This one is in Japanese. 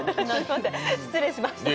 失礼しました。